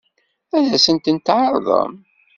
Ad sent-ten-tɛeṛḍem?